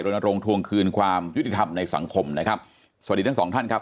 ลงทวงคืนความยุติธรรมในสังคมนะครับสวัสดีทั้งสองท่านครับ